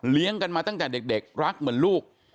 กันมาตั้งแต่เด็กรักเหมือนลูก